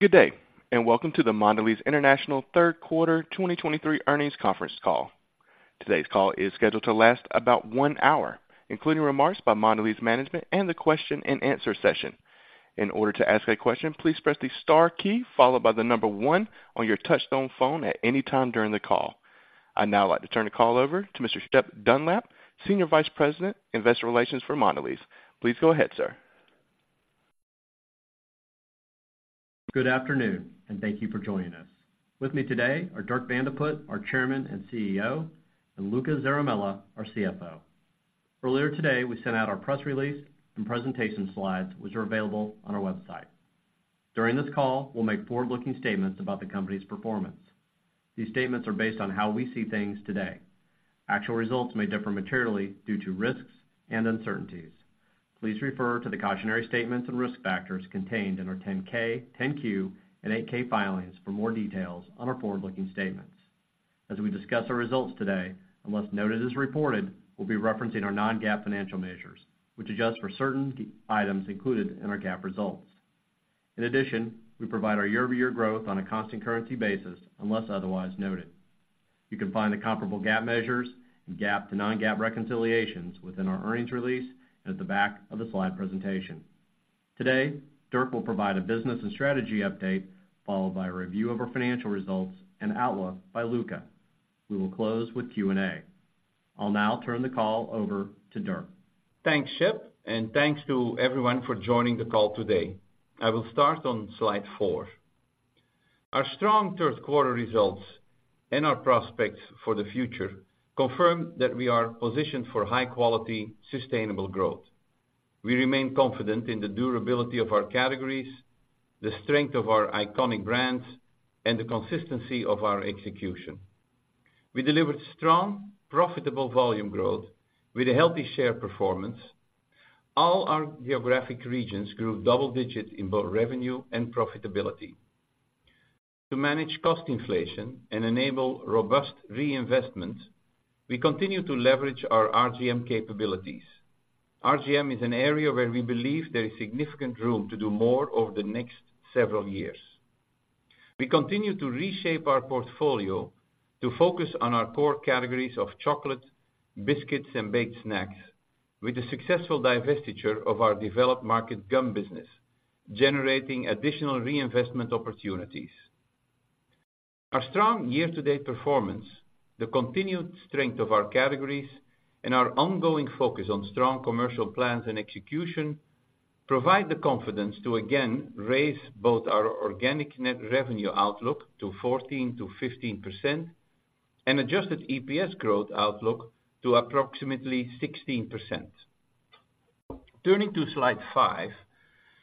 Good day, and welcome to the Mondelez International third quarter 2023 earnings conference call. Today's call is scheduled to last about one hour, including remarks by Mondelez management and the question and answer session. In order to ask a question, please press the star key, followed by the number one on your touchtone phone at any time during the call. I'd now like to turn the call over to Mr. Shep Dunlap, Senior Vice President, Investor Relations for Mondelez. Please go ahead, sir. Good afternoon, and thank you for joining us. With me today are Dirk Van de Put, our Chairman and CEO, and Luca Zaramella, our CFO. Earlier today, we sent out our press release and presentation slides, which are available on our website. During this call, we'll make forward-looking statements about the company's performance. These statements are based on how we see things today. Actual results may differ materially due to risks and uncertainties. Please refer to the cautionary statements and risk factors contained in our 10-K, 10-Q, and 8-K filings for more details on our forward-looking statements. As we discuss our results today, unless noted as reported, we'll be referencing our non-GAAP financial measures, which adjust for certain key items included in our GAAP results. In addition, we provide our year-over-year growth on a constant currency basis, unless otherwise noted. You can find the comparable GAAP measures and GAAP to non-GAAP reconciliations within our earnings release at the back of the slide presentation. Today, Dirk will provide a business and strategy update, followed by a review of our financial results and outlook by Luca. We will close with Q&A. I'll now turn the call over to Dirk. Thanks, Shep, and thanks to everyone for joining the call today. I will start on slide four. Our strong third quarter results and our prospects for the future confirm that we are positioned for high quality, sustainable growth. We remain confident in the durability of our categories, the strength of our iconic brands, and the consistency of our execution. We delivered strong, profitable volume growth with a healthy share performance. All our geographic regions grew double digits in both revenue and profitability. To manage cost inflation and enable robust reinvestment, we continue to leverage our RGM capabilities. RGM is an area where we believe there is significant room to do more over the next several years. We continue to reshape our portfolio to focus on our core categories of chocolate, biscuits, and baked snacks, with the successful divestiture of our developed market gum business, generating additional reinvestment opportunities. Our strong year-to-date performance, the continued strength of our categories, and our ongoing focus on strong commercial plans and execution, provide the confidence to again raise both our organic net revenue outlook to 14%-15% and adjusted EPS growth outlook to approximately 16%. Turning to slide five,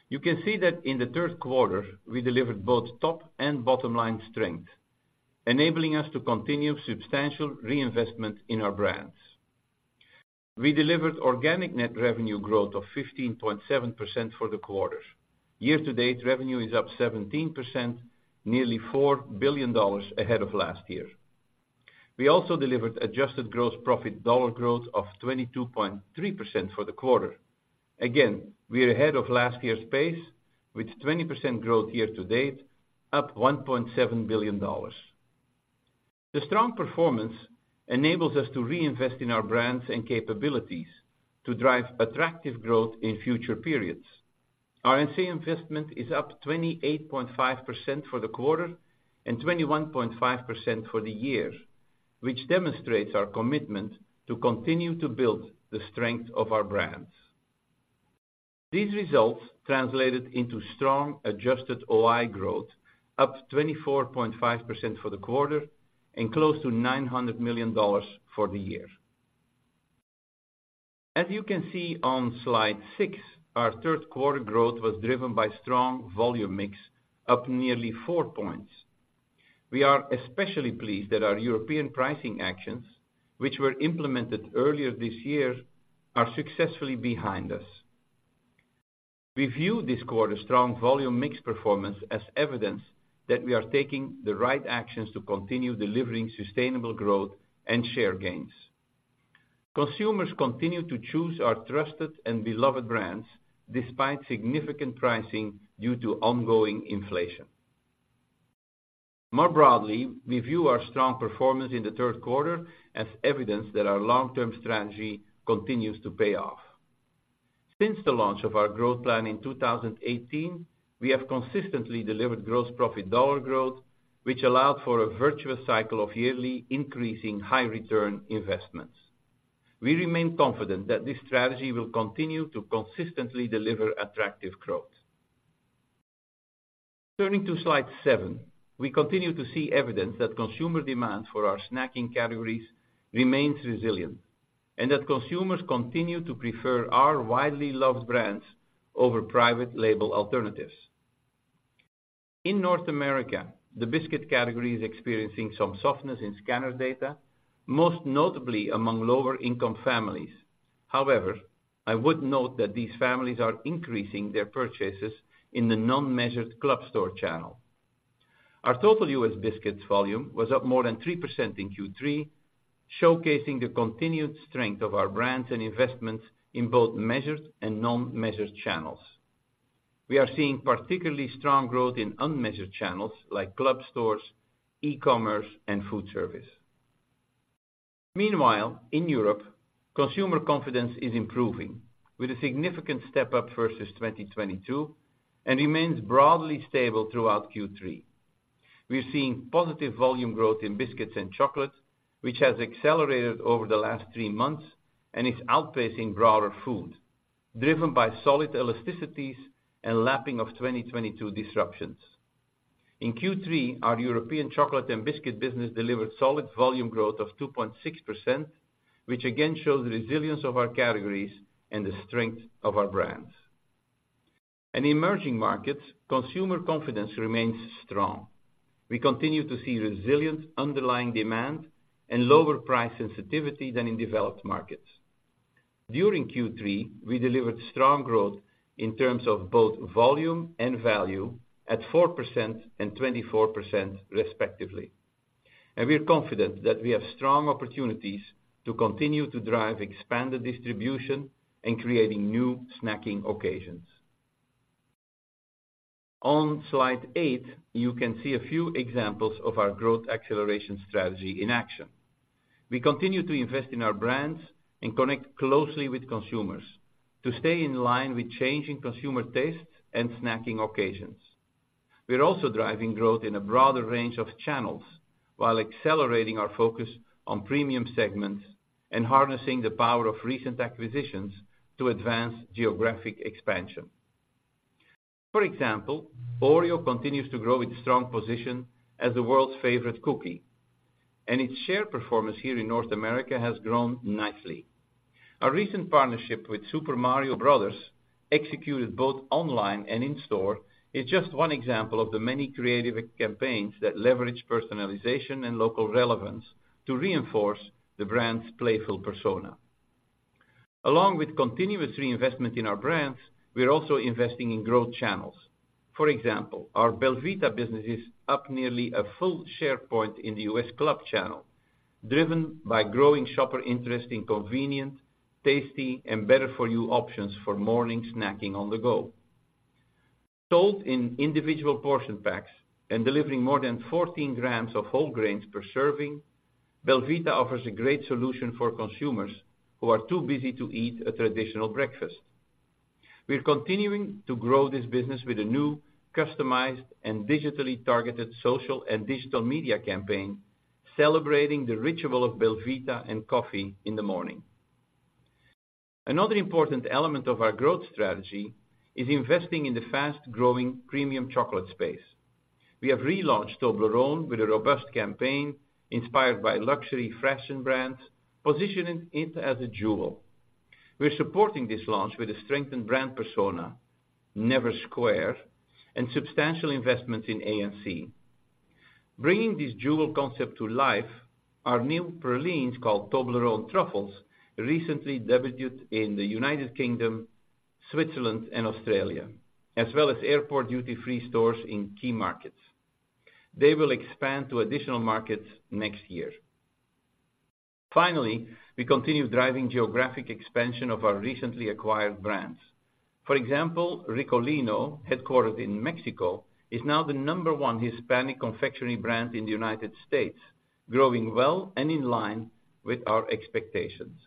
you can see that in the third quarter, we delivered both top and bottom-line strength, enabling us to continue substantial reinvestment in our brands. We delivered organic net revenue growth of 15.7% for the quarter. Year-to-date, revenue is up 17%, nearly $4 billion ahead of last year. We also delivered adjusted gross profit dollar growth of 22.3% for the quarter. Again, we are ahead of last year's pace, with 20% growth year-to-date, up $1.7 billion. The strong performance enables us to reinvest in our brands and capabilities to drive attractive growth in future periods. A&C investment is up 28.5% for the quarter and 21.5% for the year, which demonstrates our commitment to continue to build the strength of our brands. These results translated into strong, adjusted OI growth, up 24.5% for the quarter and close to $900 million for the year. As you can see on slide six, our third quarter growth was driven by strong volume mix, up nearly four points. We are especially pleased that our European pricing actions, which were implemented earlier this year, are successfully behind us. We view this quarter's strong volume mix performance as evidence that we are taking the right actions to continue delivering sustainable growth and share gains. Consumers continue to choose our trusted and beloved brands, despite significant pricing due to ongoing inflation. More broadly, we view our strong performance in the third quarter as evidence that our long-term strategy continues to pay off. Since the launch of our growth plan in 2018, we have consistently delivered gross profit dollar growth, which allowed for a virtuous cycle of yearly increasing high return investments. We remain confident that this strategy will continue to consistently deliver attractive growth. Turning to slide seven, we continue to see evidence that consumer demand for our snacking categories remains resilient, and that consumers continue to prefer our widely loved brands over private label alternatives. In North America, the biscuit category is experiencing some softness in scanner data, most notably among lower-income families. However, I would note that these families are increasing their purchases in the non-measured club store channel. Our total U.S. biscuits volume was up more than 3% in Q3, showcasing the continued strength of our brands and investments in both measured and non-measured channels. We are seeing particularly strong growth in unmeasured channels like club stores, e-commerce, and food service. Meanwhile, in Europe, consumer confidence is improving, with a significant step up versus 2022, and remains broadly stable throughout Q3. We are seeing positive volume growth in biscuits and chocolate, which has accelerated over the last three months and is outpacing broader food, driven by solid elasticities and lapping of 2022 disruptions. In Q3, our European chocolate and biscuit business delivered solid volume growth of 2.6%, which again shows the resilience of our categories and the strength of our brands. In emerging markets, consumer confidence remains strong. We continue to see resilient underlying demand and lower price sensitivity than in developed markets. During Q3, we delivered strong growth in terms of both volume and value at 4% and 24%, respectively. We are confident that we have strong opportunities to continue to drive expanded distribution and creating new snacking occasions. On slide eight, you can see a few examples of our growth acceleration strategy in action. We continue to invest in our brands and connect closely with consumers to stay in line with changing consumer tastes and snacking occasions. We are also driving growth in a broader range of channels while accelerating our focus on premium segments and harnessing the power of recent acquisitions to advance geographic expansion. For example, Oreo continues to grow its strong position as the world's favorite cookie, and its share performance here in North America has grown nicely. Our recent partnership with Super Mario Brothers, executed both online and in store, is just one example of the many creative campaigns that leverage personalization and local relevance to reinforce the brand's playful persona. Along with continuous reinvestment in our brands, we are also investing in growth channels. For example, our belVita business is up nearly a full share point in the U.S. club channel, driven by growing shopper interest in convenient, tasty, and better for you options for morning snacking on the go. Sold in individual portion packs and delivering more than 14 grams of whole grains per serving, belVita offers a great solution for consumers who are too busy to eat a traditional breakfast. We are continuing to grow this business with a new, customized, and digitally targeted social and digital media campaign, celebrating the ritual of belVita and coffee in the morning. Another important element of our growth strategy is investing in the fast-growing premium chocolate space. We have relaunched Toblerone with a robust campaign inspired by luxury fashion brands, positioning it as a jewel. We're supporting this launch with a strengthened brand persona, Never Square, and substantial investments in A&C. Bringing this jewel concept to life, our new pralines, called Toblerone Truffles, recently debuted in the U.K., Switzerland, and Australia, as well as airport duty-free stores in key markets. They will expand to additional markets next year. Finally, we continue driving geographic expansion of our recently acquired brands. For example, Ricolino, headquartered in Mexico, is now the number one Hispanic confectionery brand in the U.S., growing well and in line with our expectations.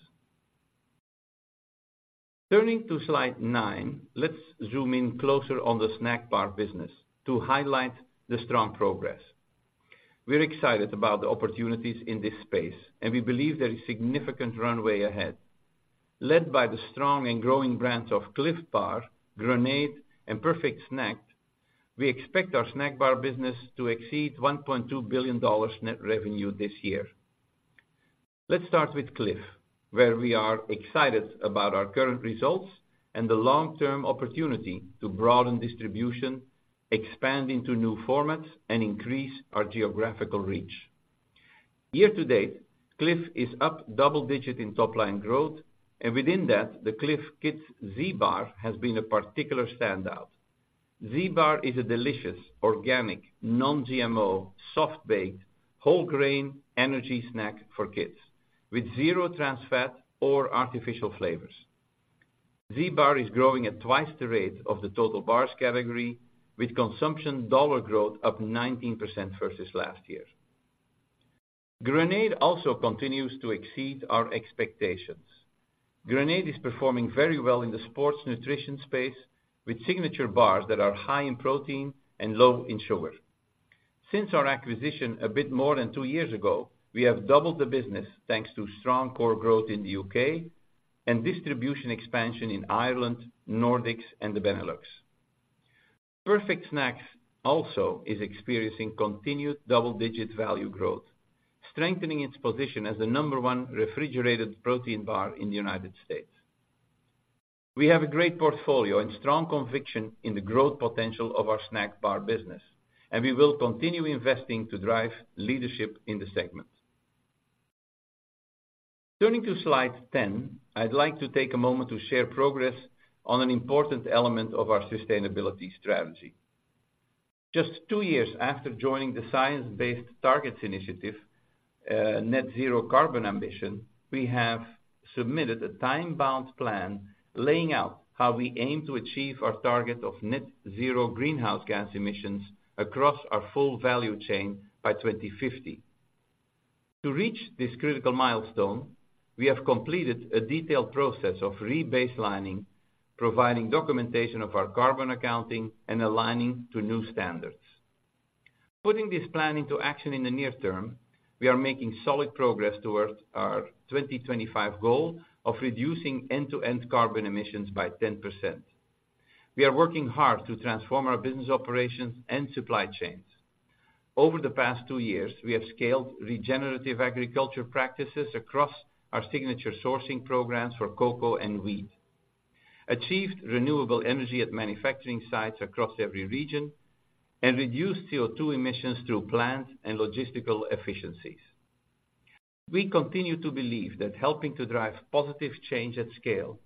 Turning to slide nine, let's zoom in closer on the snack bar business to highlight the strong progress. We're excited about the opportunities in this space, and we believe there is significant runway ahead. Led by the strong and growing brands of Clif Bar, Grenade, and Perfect Snack, we expect our snack bar business to exceed $1.2 billion net revenue this year. Let's start with Clif, where we are excited about our current results and the long-term opportunity to broaden distribution, expand into new formats, and increase our geographical reach. Year to date, Clif is up double-digit in top line growth, and within that, the Clif Kids ZBar has been a particular standout. Zbar is a delicious, organic, non-GMO, soft-baked, whole grain energy snack for kids, with zero trans fat or artificial flavors. Zbar is growing at twice the rate of the total bars category, with consumption dollar growth up 19% versus last year. Grenade also continues to exceed our expectations. Grenade is performing very well in the sports nutrition space, with signature bars that are high in protein and low in sugar. Since our acquisition a bit more than two years ago, we have doubled the business, thanks to strong core growth in the U.K. and distribution expansion in Ireland, Nordics, and the Benelux. Perfect Snacks also is experiencing continued double-digit value growth, strengthening its position as the number one refrigerated protein bar in the U.S.. We have a great portfolio and strong conviction in the growth potential of our snack bar business, and we will continue investing to drive leadership in the segment.... Turning to slide 10, I'd like to take a moment to share progress on an important element of our sustainability strategy. Just two years after joining the Science-Based Targets initiative, net-zero carbon ambition, we have submitted a time-bound plan, laying out how we aim to achieve our Target of net-zero greenhouse gas emissions across our full value chain by 2050. To reach this critical milestone, we have completed a detailed process of rebaselining, providing documentation of our carbon accounting, and aligning to new standards. Putting this plan into action in the near term, we are making solid progress towards our 2025 goal of reducing end-to-end carbon emissions by 10%. We are working hard to transform our business operations and supply chains. Over the past two years, we have scaled regenerative agriculture practices across our signature sourcing programs for cocoa and wheat, achieved renewable energy at manufacturing sites across every region, and reduced CO2 emissions through plant and logistical efficiencies. We continue to believe that helping to drive positive change at scale,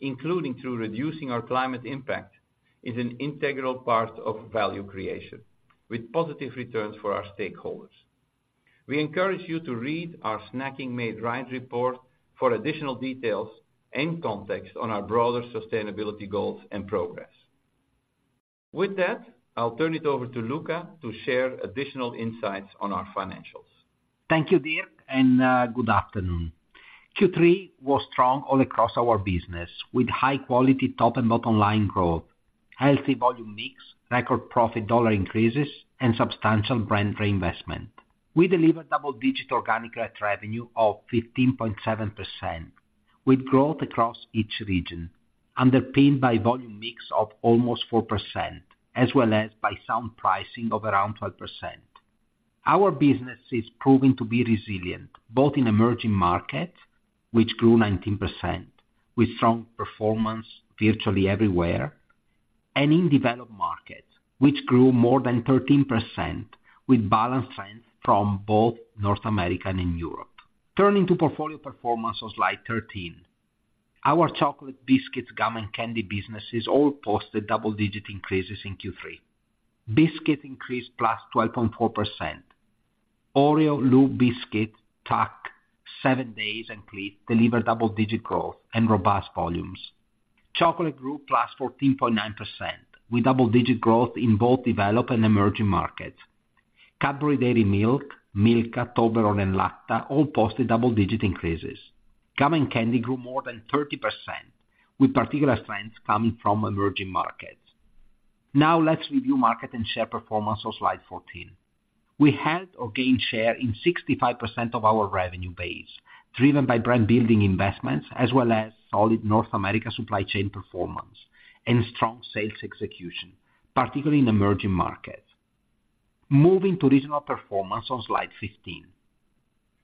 including through reducing our climate impact, is an integral part of value creation, with positive returns for our stakeholders. We encourage you to read our Snacking Made Right report for additional details and context on our broader sustainability goals and progress. With that, I'll turn it over to Luca to share additional insights on our financials. Thank you, Dirk, and good afternoon. Q3 was strong all across our business, with high-quality top and bottom line growth, healthy volume mix, record profit dollar increases, and substantial brand reinvestment. We delivered double-digit organic net revenue of 15.7%, with growth across each region, underpinned by volume mix of almost 4%, as well as by sound pricing of around 12%. Our business is proving to be resilient, both in emerging markets, which grew 19%, with strong performance virtually everywhere, and in developed markets, which grew more than 13%, with balanced strength from both North America and in Europe. Turning to portfolio performance on slide 13. Our chocolate, biscuits, gum and candy businesses all posted double-digit increases in Q3. biscuits increased +12.4%. Oreo, LU Biscuit, TUC, 7Days, and Clif delivered double-digit growth and robust volumes. Chocolate grew +14.9%, with double-digit growth in both developed and emerging markets. Cadbury Dairy Milk, Milka, Toblerone, and Lacta all posted double-digit increases. Gum and candy grew more than 30%, with particular strength coming from emerging markets. Now, let's review market and share performance on slide 14. We held or gained share in 65% of our revenue base, driven by brand building investments, as well as solid North America supply chain performance and strong sales execution, particularly in emerging markets. Moving to regional performance on slide 15.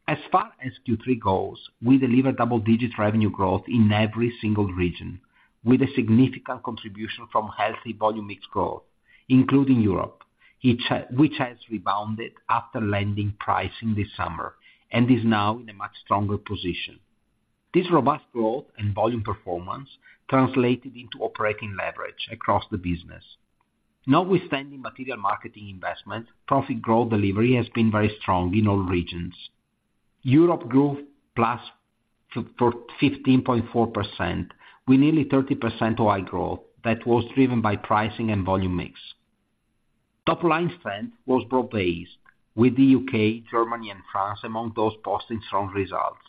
As far as Q3 goes, we delivered double-digit revenue growth in every single region, with a significant contribution from healthy volume mix growth, including Europe, which has rebounded after landing pricing this summer and is now in a much stronger position. This robust growth and volume performance translated into operating leverage across the business. Notwithstanding material marketing investment, profit growth delivery has been very strong in all regions. Europe grew +15.4%, with nearly 30% OI growth that was driven by pricing and volume mix. Top-line strength was broad-based, with the U.K., Germany, and France among those posting strong results.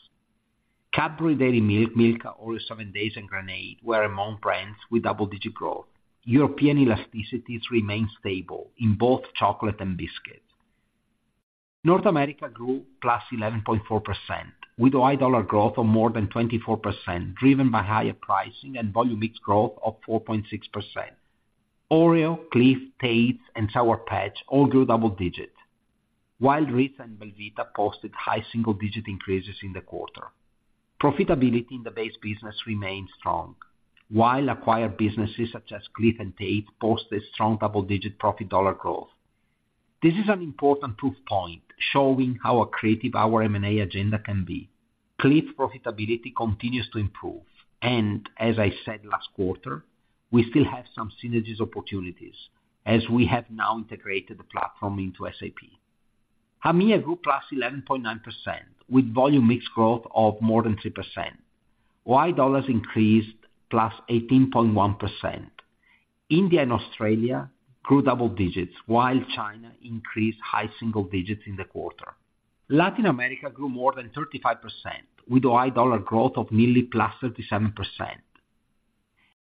Cadbury Dairy Milk, Milka, Oreo, 7Days, and Grenade were among brands with double-digit growth. European elasticities remain stable in both chocolate and biscuits. North America grew +11.4%, with OI dollar growth of more than 24%, driven by higher pricing and volume mix growth of 4.6%. Oreo, Clif, Tate, and Sour Patch all grew double digits, while Ritz and belVita posted high single-digit increases in the quarter. Profitability in the base business remains strong, while acquired businesses such as Clif and Tate posted strong double-digit profit dollar growth. This is an important proof point, showing how creative our M&A agenda can be. Clif profitability continues to improve, and as I said last quarter, we still have some synergies opportunities, as we have now integrated the platform into SAP. EMEA grew +11.9%, with volume mix growth of more than 3%, while dollars increased +18.1%. India and Australia grew double digits, while China increased high single digits in the quarter. Latin America grew more than 35%, with OI dollar growth of nearly +37%.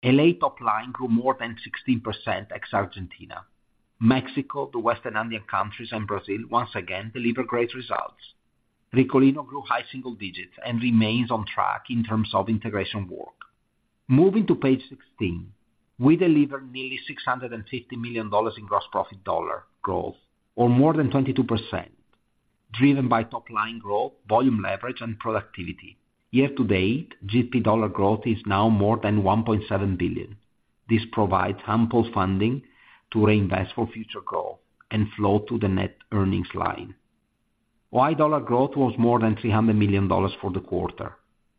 LA top line grew more than 16%, ex-Argentina. Mexico, the Western Andean countries, and Brazil, once again, delivered great results. Ricolino grew high single digits and remains on track in terms of integration work. Moving to page 16, we delivered nearly $650 million in gross profit dollar growth, or more than 22%, driven by top-line growth, volume leverage, and productivity. Year-to-date, GP dollar growth is now more than $1.7 billion.... This provides ample funding to reinvest for future growth and flow to the net earnings line. Y dollar growth was more than $300 million for the quarter,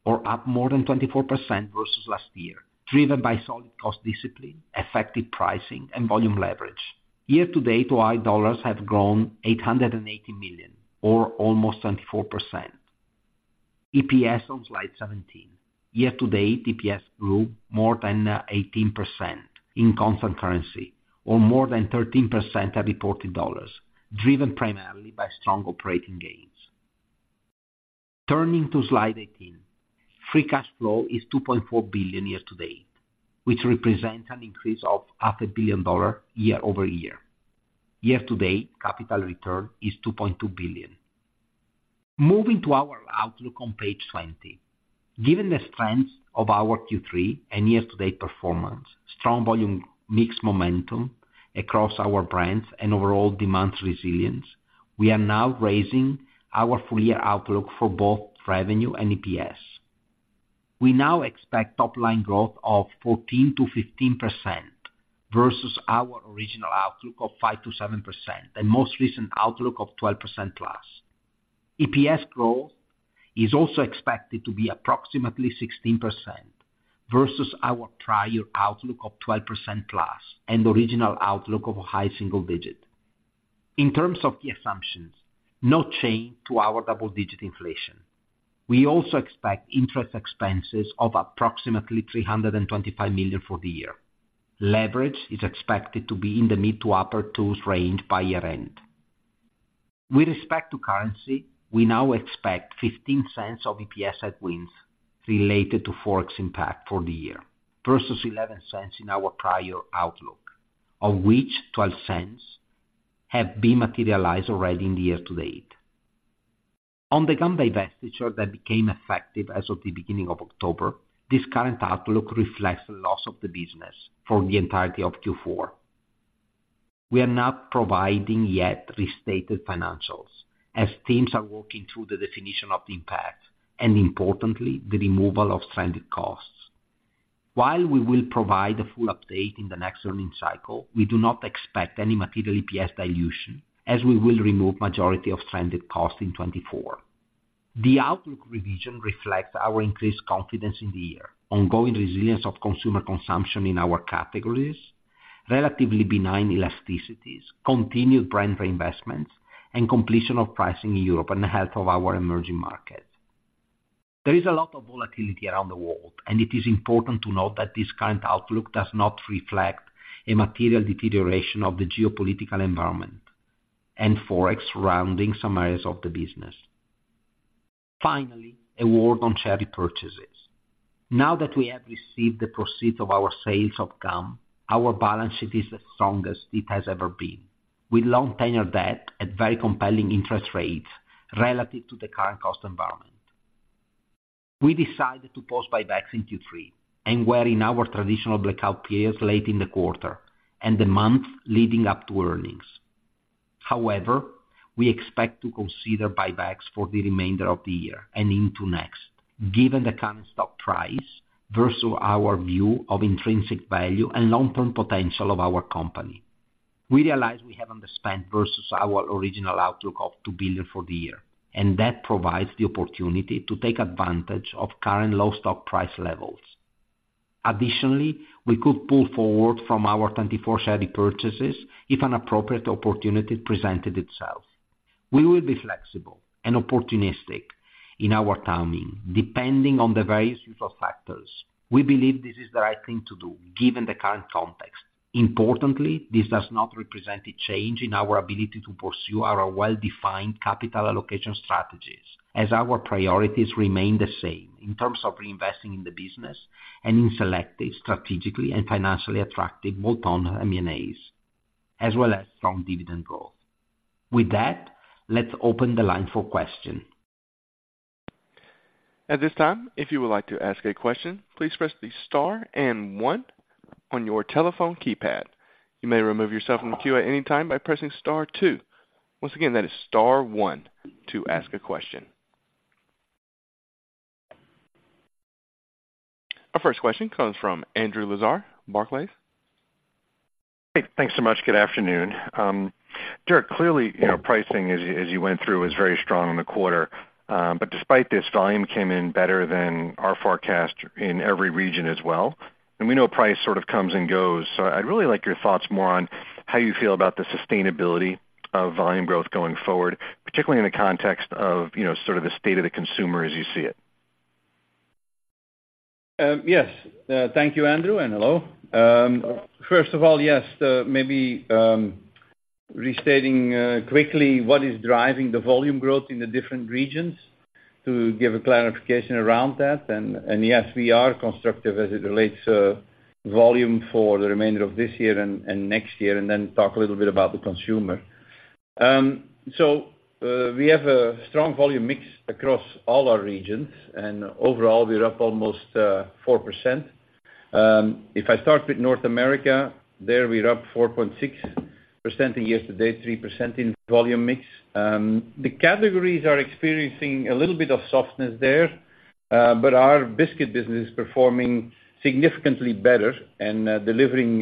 or up more than 24% versus last year, driven by solid cost discipline, effective pricing, and volume leverage. Year-to-date, Y dollars have grown $880 million, or almost 24%. EPS on slide 17. Year-to-date, EPS grew more than 18% in constant currency, or more than 13% at reported dollars, driven primarily by strong operating gains. Turning to slide 18. Free cash flow is $2.4 billion year-to-date, which represents an increase of $500 million year-over-year. Year-to-date, capital return is $2.2 billion. Moving to our outlook on page 20. Given the strength of our Q3 and year-to-date performance, strong volume mix momentum across our brands and overall demand resilience, we are now raising our full year outlook for both revenue and EPS. We now expect top line growth of 14%-15% versus our original outlook of 5%-7%, and most recent outlook of 12%+. EPS growth is also expected to be approximately 16% versus our prior outlook of 12%+, and original outlook of a high single-digit. In terms of the assumptions, no change to our double-digit inflation. We also expect interest expenses of approximately $325 million for the year. Leverage is expected to be in the mid to upper two range by year-end. With respect to currency, we now expect $0.15 of EPS headwinds related to Forex impact for the year, versus $0.11 in our prior outlook, of which $0.12 have been materialized already in the year-to-date. On the gum divestiture that became effective as of the beginning of October, this current outlook reflects the loss of the business for the entirety of Q4. We are not providing yet restated financials, as teams are working through the definition of the impact, and importantly, the removal of stranded costs. While we will provide a full update in the next earnings cycle, we do not expect any material EPS dilution, as we will remove majority of stranded costs in 2024. The outlook revision reflects our increased confidence in the year, ongoing resilience of consumer consumption in our categories, relatively benign elasticities, continued brand reinvestments, and completion of pricing in Europe and the health of our emerging markets. There is a lot of volatility around the world, and it is important to note that this current outlook does not reflect a material deterioration of the geopolitical environment and Forex surrounding some areas of the business. Finally, a word on share repurchases. Now that we have received the proceeds of our sales of gum, our balance sheet is the strongest it has ever been, with long tenor debt at very compelling interest rates relative to the current cost environment. We decided to pause buybacks in Q3, and we're in our traditional blackout periods late in the quarter and the month leading up to earnings. However, we expect to consider buybacks for the remainder of the year and into next, given the current stock price versus our view of intrinsic value and long-term potential of our company. We realize we haven't spent versus our original outlook of $2 billion for the year, and that provides the opportunity to take advantage of current low stock price levels. Additionally, we could pull forward from our 2024 share repurchases if an appropriate opportunity presented itself. We will be flexible and opportunistic in our timing, depending on the various usual factors. We believe this is the right thing to do given the current context. Importantly, this does not represent a change in our ability to pursue our well-defined capital allocation strategies, as our priorities remain the same in terms of reinvesting in the business and in selective, strategically and financially attractive bolt-on M&As, as well as strong dividend growth. With that, let's open the line for question. At this time, if you would like to ask a question, please press the star and one on your telephone keypad. You may remove yourself from the queue at any time by pressing star two. Once again, that is star one to ask a question. Our first question comes from Andrew Lazar, Barclays. Hey, thanks so much. Good afternoon. Dirk, clearly, you know, pricing, as, as you went through, is very strong in the quarter. But despite this, volume came in better than our forecast in every region as well, and we know price sort of comes and goes. So I'd really like your thoughts more on how you feel about the sustainability of volume growth going forward, particularly in the context of, you know, sort of the state of the consumer as you see it. Yes. Thank you, Andrew, and hello. First of all, yes, maybe restating quickly what is driving the volume growth in the different regions to give a clarification around that. Yes, we are constructive as it relates to volume for the remainder of this year and next year, and then talk a little bit about the consumer. So, we have a strong volume mix across all our regions, and overall, we're up almost 4%. If I start with North America, there we're up 4.6%.... percent in year to date, 3% in volume mix. The categories are experiencing a little bit of softness there, but our biscuit business is performing significantly better and, delivering,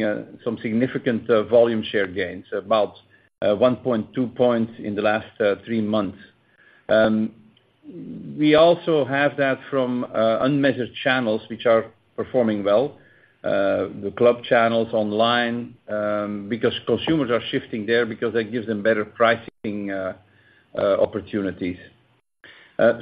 some significant, volume share gains, about, one point two points in the last, three months. We also have that from, unmeasured channels, which are performing well, the club channels online, because consumers are shifting there because that gives them better pricing, opportunities.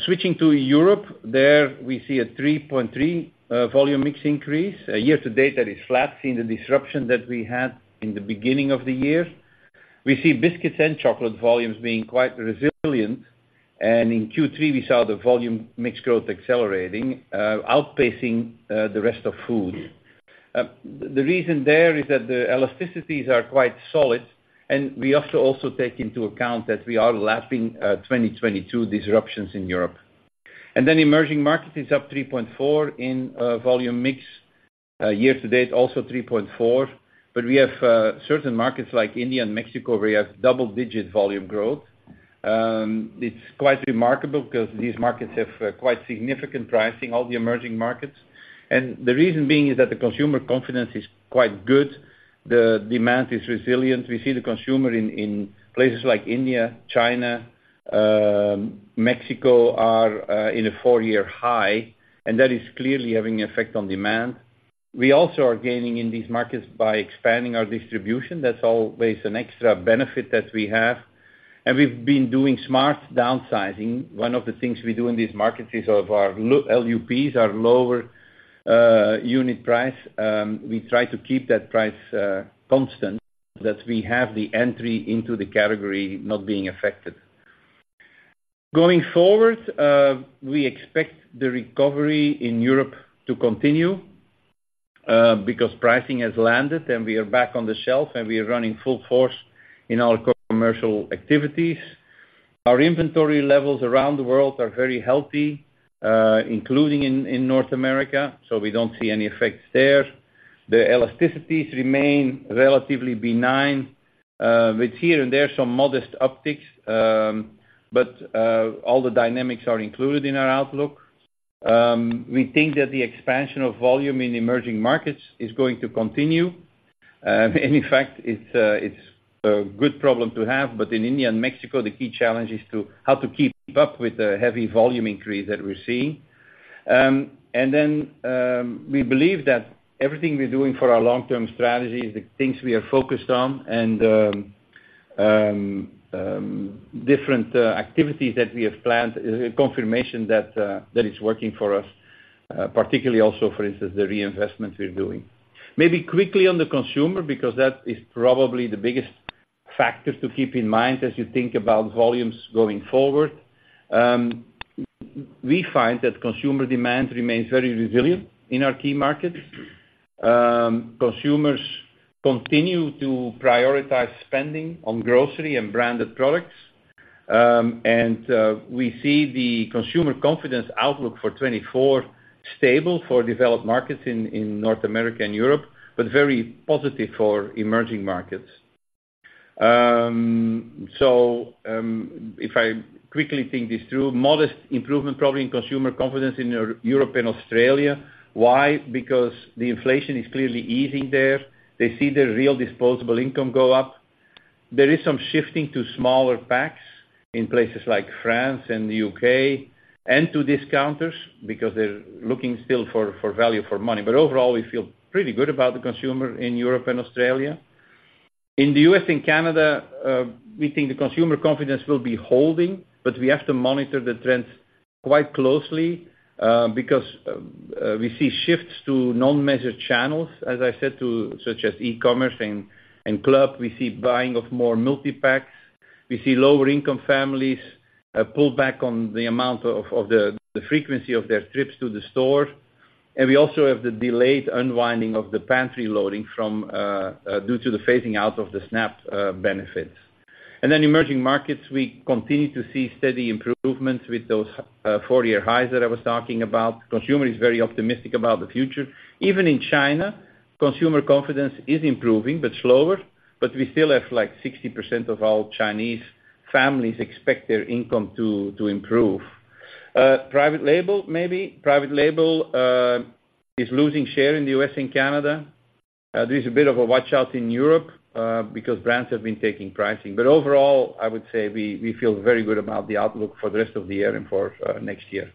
Switching to Europe, there we see a 3.3 volume mix increase. Year to date, that is flat, seeing the disruption that we had in the beginning of the year. We see biscuits and chocolate volumes being quite resilient, and in Q3, we saw the volume mix growth accelerating, outpacing, the rest of food. The reason there is that the elasticities are quite solid, and we have to also take into account that we are lapping 2022 disruptions in Europe. Emerging markets is up 3.4 in volume mix. Year to date, also 3.4, but we have certain markets like India and Mexico, where we have double-digit volume growth. It's quite remarkable because these markets have quite significant pricing, all the emerging markets. The reason being is that the consumer confidence is quite good. The demand is resilient. We see the consumer in places like India, China, Mexico are in a four-year high, and that is clearly having an effect on demand. We also are gaining in these markets by expanding our distribution. That's always an extra benefit that we have. We've been doing smart downsizing. One of the things we do in these markets is of our LUPs, our lower unit price, we try to keep that price constant, that we have the entry into the category not being affected. Going forward, we expect the recovery in Europe to continue because pricing has landed, and we are back on the shelf, and we are running full force in our co-commercial activities. Our inventory levels around the world are very healthy, including in North America, so we don't see any effects there. The elasticities remain relatively benign, with here and there, some modest upticks, but all the dynamics are included in our outlook. We think that the expansion of volume in emerging markets is going to continue. And in fact, it's a good problem to have, but in India and Mexico, the key challenge is how to keep up with the heavy volume increase that we're seeing. We believe that everything we're doing for our long-term strategy is the things we are focused on and different activities that we have planned, is a confirmation that that is working for us, particularly also, for instance, the reinvestment we're doing. Maybe quickly on the consumer, because that is probably the biggest factor to keep in mind as you think about volumes going forward. We find that consumer demand remains very resilient in our key markets. Consumers continue to prioritize spending on grocery and branded products. We see the consumer confidence outlook for 2024, stable for developed markets in North America and Europe, but very positive for emerging markets. So, if I quickly think this through, modest improvement, probably in consumer confidence in Europe and Australia. Why? Because the inflation is clearly easing there. They see their real disposable income go up. There is some shifting to smaller packs in places like France and the U.K., and to discounters, because they're looking still for value for money. But overall, we feel pretty good about the consumer in Europe and Australia. In the US and Canada, we think the consumer confidence will be holding, but we have to monitor the trends quite closely, because we see shifts to non-measured channels, as I said, to such as e-commerce and club. We see buying of more multi-packs. We see lower-income families pull back on the amount of the frequency of their trips to the store. And we also have the delayed unwinding of the pantry loading from due to the phasing out of the SNAP benefits. And then emerging markets, we continue to see steady improvements with those four-year highs that I was talking about. Consumer is very optimistic about the future. Even in China, consumer confidence is improving, but slower, but we still have, like, 60% of all Chinese families expect their income to improve. Private label, maybe. Private label is losing share in the U.S. and Canada. There's a bit of a watch out in Europe because brands have been taking pricing. But overall, I would say we feel very good about the outlook for the rest of the year and for next year.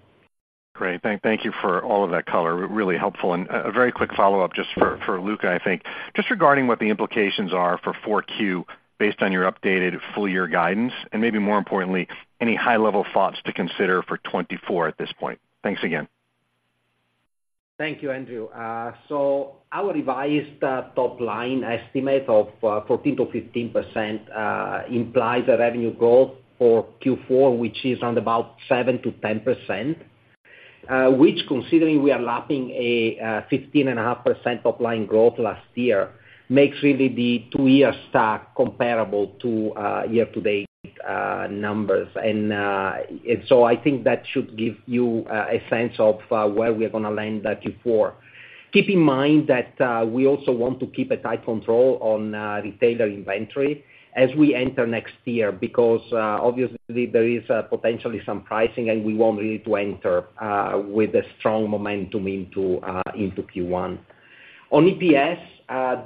Great. Thank you for all of that color, really helpful. A very quick follow-up just for Luca, I think. Just regarding what the implications are for 4Q based on your updated full year guidance, and maybe more importantly, any high-level thoughts to consider for 2024 at this point. Thanks again. Thank you, Andrew. Our revised top-line estimate of 14%-15% implies a revenue growth for Q4, which is around about 7%-10%. ...which, considering we are lapping a 15.5% top line growth last year, makes really the two-year stack comparable to year-to-date numbers. And so I think that should give you a sense of where we are gonna land that Q4. Keep in mind that we also want to keep a tight control on retailer inventory as we enter next year, because obviously there is potentially some pricing, and we want really to enter with a strong momentum into Q1. On EPS,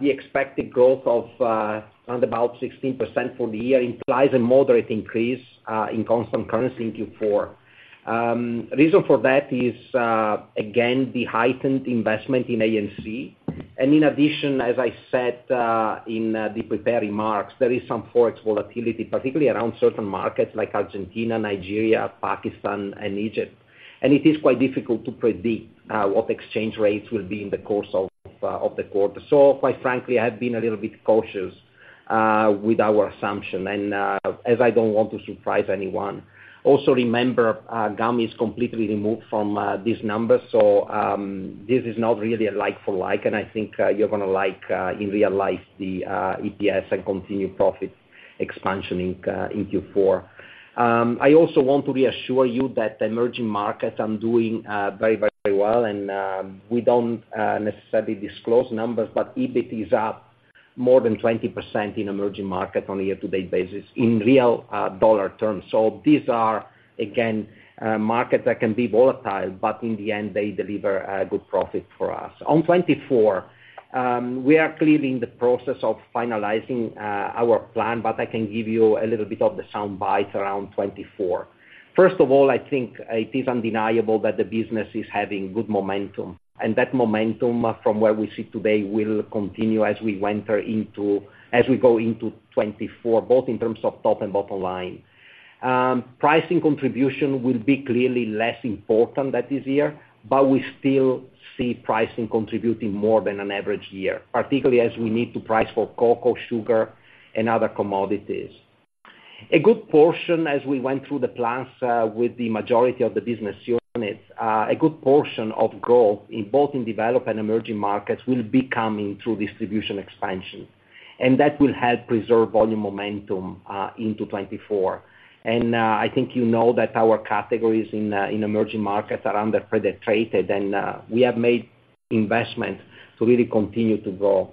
the expected growth of around about 16% for the year implies a moderate increase in constant currency in Q4. Reason for that is again the heightened investment in A&C. And in addition, as I said, in the prepared remarks, there is some Forex volatility, particularly around certain markets like Argentina, Nigeria, Pakistan, and Egypt. And it is quite difficult to predict what exchange rates will be in the course of the quarter. So quite frankly, I've been a little bit cautious with our assumption, and as I don't want to surprise anyone. Also, remember, gum is completely removed from these numbers. So this is not really a like for like, and I think you're gonna like in real life, the EPS and continued profit expansion in Q4. I also want to reassure you that the emerging markets are doing very, very well, and we don't necessarily disclose numbers, but EBIT is up more than 20% in emerging markets on a year-to-date basis in real dollar terms. So these are, again, markets that can be volatile, but in the end, they deliver good profit for us. On 2024, we are clearly in the process of finalizing our plan, but I can give you a little bit of the soundbite around 2024. First of all, I think it is undeniable that the business is having good momentum, and that momentum, from where we sit today, will continue as we go into 2024, both in terms of top and bottom line. Pricing contribution will be clearly less important than this year, but we still see pricing contributing more than an average year, particularly as we need to price for cocoa, sugar, and other commodities. A good portion, as we went through the plans, with the majority of the business units, a good portion of growth, in both developed and emerging markets, will be coming through distribution expansion, and that will help preserve volume momentum into 2024. I think you know that our categories in emerging markets are underpenetrated, and we have made investments to really continue to grow.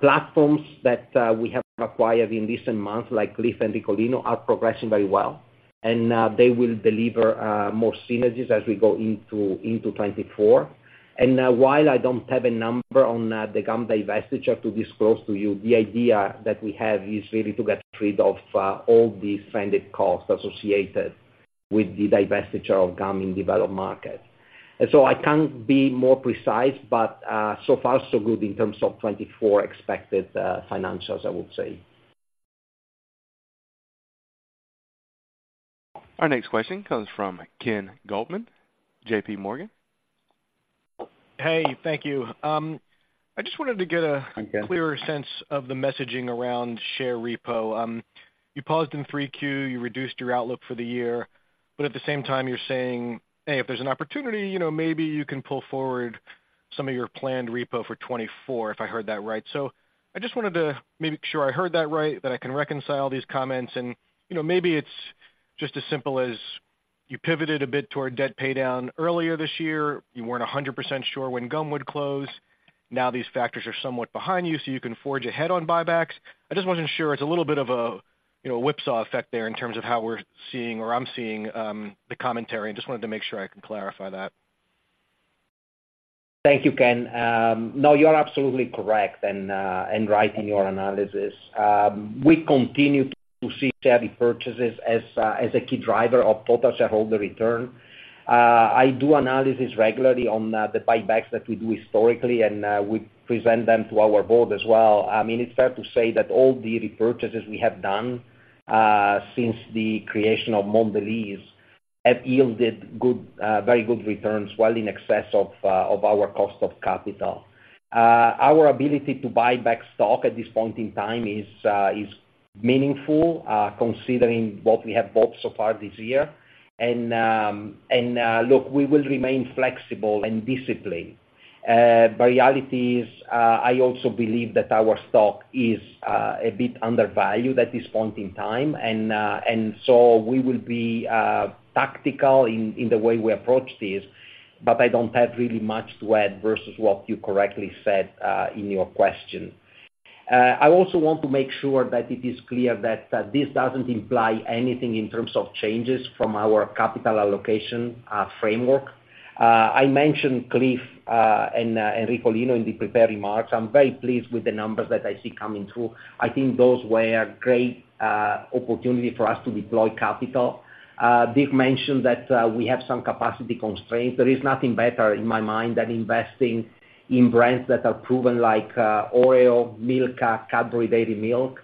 Platforms that we have acquired in recent months, like Clif and Ricolino, are progressing very well, and they will deliver more synergies as we go into 2024. While I don't have a number on the gum divestiture to disclose to you, the idea that we have is really to get rid of all the stranded costs associated with the divestiture of gum in developed markets. So I can't be more precise, but so far, so good in terms of 2024 expected financials, I would say. Our next question comes from Ken Goldman, JPMorgan. Hey, thank you. I just wanted to get Hi, Ken. Clearer sense of the messaging around share repo. You paused in 3Q, you reduced your outlook for the year, but at the same time you're saying, "Hey, if there's an opportunity, you know, maybe you can pull forward some of your planned repo for 2024," if I heard that right. So I just wanted to make sure I heard that right, that I can reconcile these comments. And, you know, maybe it's just as simple as you pivoted a bit toward debt paydown earlier this year. You weren't 100% sure when gum would close. Now, these factors are somewhat behind you, so you can forge ahead on buybacks. I just wanted to ensure it's a little bit of a, you know, whipsaw effect there in terms of how we're seeing or I'm seeing, the commentary. I just wanted to make sure I can clarify that. Thank you, Ken. No, you are absolutely correct and right in your analysis. We continue to see share repurchases as a key driver of total shareholder return. I do analysis regularly on the buybacks that we do historically, and we present them to our board as well. I mean, it's fair to say that all the repurchases we have done since the creation of Mondelez have yielded good, very good returns, well in excess of our cost of capital. Our ability to buy back stock at this point in time is meaningful, considering what we have bought so far this year. And look, we will remain flexible and disciplined. But reality is, I also believe that our stock is a bit undervalued at this point in time, and so we will be tactical in the way we approach this, but I don't have really much to add versus what you correctly said in your question. I also want to make sure that it is clear that this doesn't imply anything in terms of changes from our capital allocation framework. I mentioned Clif and Ricolino in the prepared remarks. I'm very pleased with the numbers that I see coming through. I think those were a great opportunity for us to deploy capital. Dirk mentioned that we have some capacity constraints. There is nothing better in my mind than investing in brands that are proven, like Oreo, Milka, Cadbury Dairy Milk.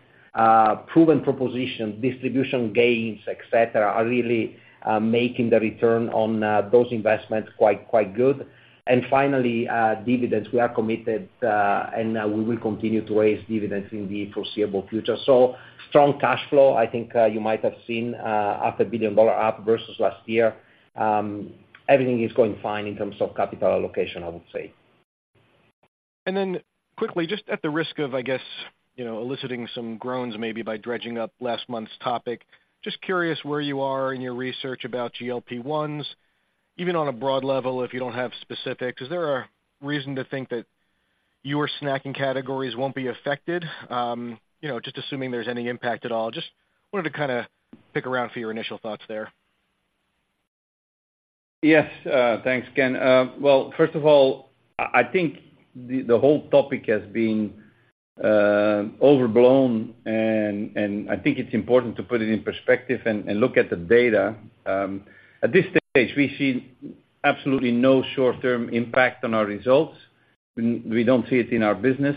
Proven propositions, distribution gains, et cetera, are really making the return on those investments quite, quite good. And finally, dividends. We are committed and we will continue to raise dividends in the foreseeable future. So strong cash flow, I think, you might have seen, $500 million up versus last year. Everything is going fine in terms of capital allocation, I would say. ...And then quickly, just at the risk of, I guess, you know, eliciting some groans, maybe by dredging up last month's topic, just curious where you are in your research about GLP-1s, even on a broad level, if you don't have specifics. Is there a reason to think that your snacking categories won't be affected? You know, just assuming there's any impact at all. Just wanted to kinda pick around for your initial thoughts there. Yes, thanks, Ken. Well, first of all, I think the whole topic has been overblown, and I think it's important to put it in perspective and look at the data. At this stage, we see absolutely no short-term impact on our results. We don't see it in our business.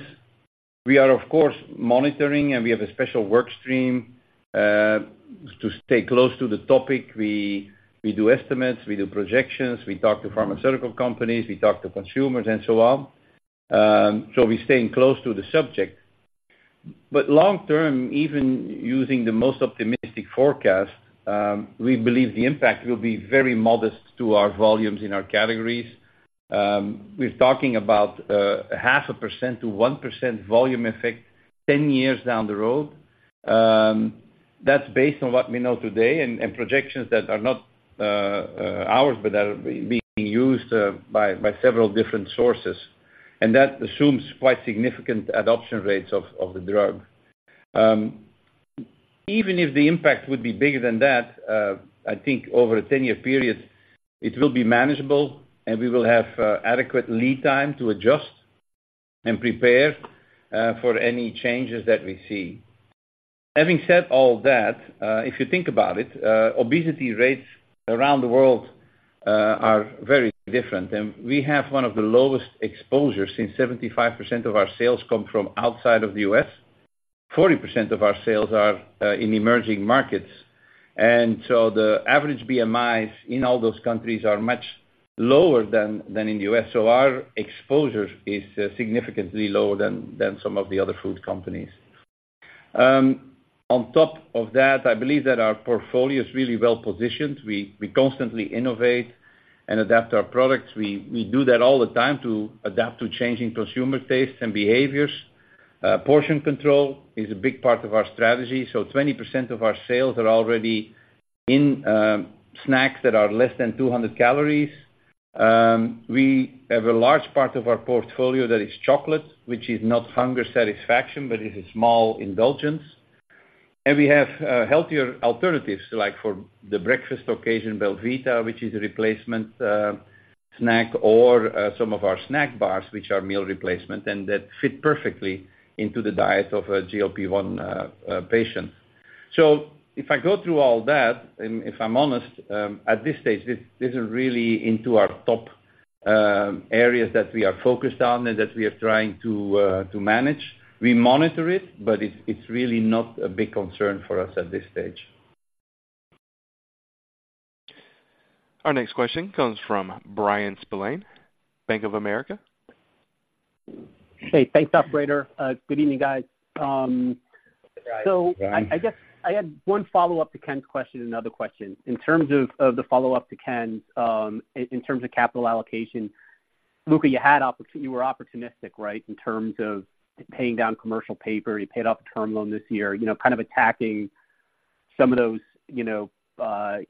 We are, of course, monitoring, and we have a special work stream to stay close to the topic. We do estimates, we do projections, we talk to pharmaceutical companies, we talk to consumers, and so on. So we're staying close to the subject. But long term, even using the most optimistic forecast, we believe the impact will be very modest to our volumes in our categories. We're talking about a half a percent to one percent volume effect 10 years down the road. That's based on what we know today, and projections that are not ours, but are being used by several different sources, and that assumes quite significant adoption rates of the drug. Even if the impact would be bigger than that, I think over a 10-year period, it will be manageable, and we will have adequate lead time to adjust and prepare for any changes that we see. Having said all that, if you think about it, obesity rates around the world are very different, and we have one of the lowest exposures, since 75% of our sales come from outside of the U.S. 40% of our sales are in emerging markets. The average BMIs in all those countries are much lower than in the U.S., so our exposure is significantly lower than some of the other food companies. On top of that, I believe that our portfolio is really well positioned. We constantly innovate and adapt our products. We do that all the time to adapt to changing consumer tastes and behaviors. Portion control is a big part of our strategy, so 20% of our sales are already in snacks that are less than 200 calories. We have a large part of our portfolio that is chocolate, which is not hunger satisfaction, but it is small indulgence. We have healthier alternatives, like for the breakfast occasion, belVita, which is a replacement snack, or some of our snack bars, which are meal replacement, and that fit perfectly into the diet of a GLP-1 patient. If I go through all that, and if I'm honest, at this stage, this isn't really into our top areas that we are focused on and that we are trying to manage. We monitor it, but it's really not a big concern for us at this stage. Our next question comes from Bryan Spillane, Bank of America. Hey, thanks, operator. Good evening, guys. Right, Bryan. So I guess I had one follow-up to Ken's question and another question. In terms of the follow-up to Ken, in terms of capital allocation, Luca, you had oppor-- you were opportunistic, right, in terms of paying down commercial paper. You paid off a term loan this year, you know, kind of attacking some of those, you know,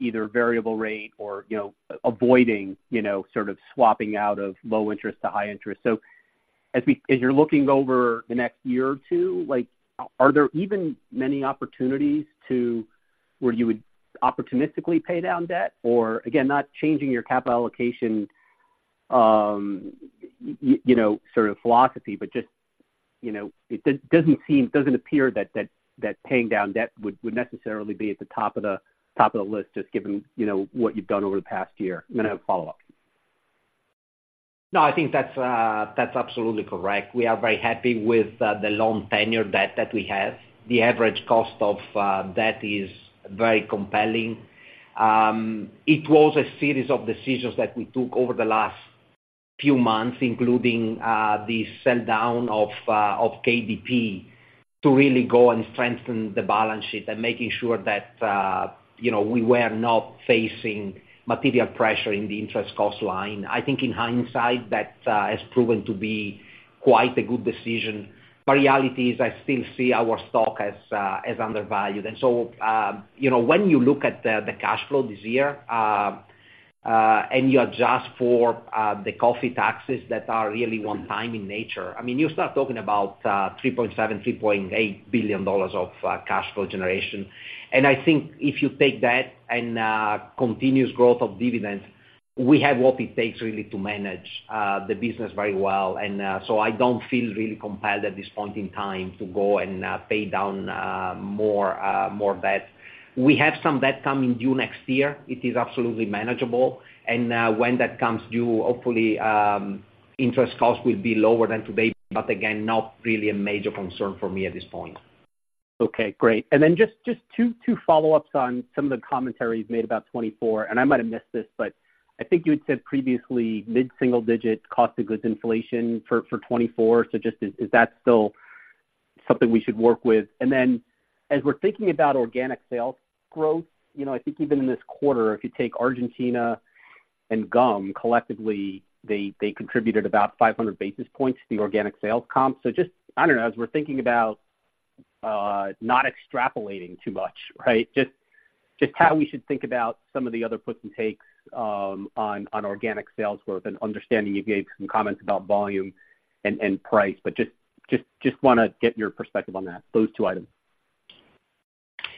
either variable rate or, you know, avoiding, you know, sort of swapping out of low interest to high interest. So as you're looking over the next year or two, like, are there even many opportunities to where you would opportunistically pay down debt? Or again, not changing your capital allocation, you know, sort of philosophy, but just, you know, it doesn't seem, doesn't appear that paying down debt would necessarily be at the top of the list, just given, you know, what you've done over the past year. And then I have a follow-up. No, I think that's, that's absolutely correct. We are very happy with the long tenure debt that we have. The average cost of debt is very compelling. It was a series of decisions that we took over the last few months, including the sell down of of KDP, to really go and strengthen the balance sheet and making sure that, you know, we were not facing material pressure in the interest cost line. I think in hindsight, that has proven to be quite a good decision. But reality is, I still see our stock as, as undervalued. So, you know, when you look at the, the cash flow this year, and you adjust for, the coffee taxes that are really one-time in nature, I mean, you start talking about, $3.7 billion-$3.8 billion of, cash flow generation. And I think if you take that and, continuous growth of dividends, we have what it takes really to manage, the business very well. And, so I don't feel really compelled at this point in time to go and, pay down, more, more debt. We have some debt coming due next year. It is absolutely manageable, and, when that comes due, hopefully, interest costs will be lower than today. But again, not really a major concern for me at this point. Okay, great. And then just two follow-ups on some of the commentary you've made about 2024, and I might have missed this, but I think you had said previously, mid-single digit cost of goods inflation for 2024. So just is that still something we should work with? And then as we're thinking about organic sales growth, you know, I think even in this quarter, if you take Argentina and gum, collectively, they contributed about 500 basis points to the organic sales comp. So just, I don't know, as we're thinking about not extrapolating too much, right? Just how we should think about some of the other puts and takes on organic sales growth and understanding you gave some comments about volume and price, but just wanna get your perspective on those two items.